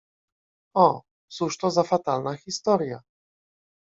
— O, cóż to za fatalna historia!